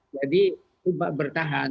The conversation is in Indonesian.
jadi berusaha bertahan